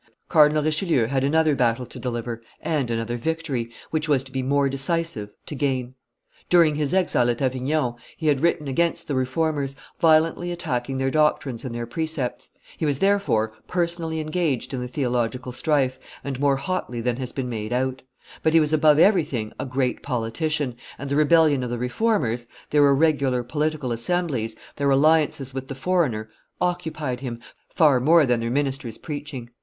Cardinal Richelieu had another battle to deliver, and another victory, which was to be more decisive, to gain. During his exile at Avignon, he had written against the Reformers, violently attacking their doctrines and their precepts; he was, therefore, personally engaged in the theological strife, and more hotly than has been made out; but he was above everything a great politician, and the rebellion of the Reformers, their irregular political assemblies, their alliances with the foreigner, occupied him, far more than their ministers' preaching.